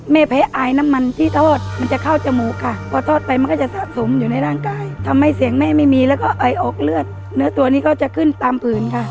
แพ้อายน้ำมันที่ทอดมันจะเข้าจมูกค่ะพอทอดไปมันก็จะสะสมอยู่ในร่างกายทำให้เสียงแม่ไม่มีแล้วก็ไอออกเลือดเนื้อตัวนี้ก็จะขึ้นตามผืนค่ะ